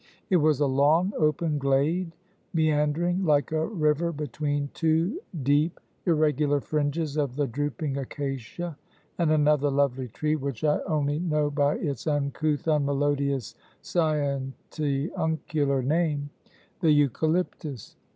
It was a long, open glade, meandering like a river between two deep, irregular fringes of the drooping acacia, and another lovely tree which I only know by its uncouth, unmelodious, scientiuncular name the eucalyptus.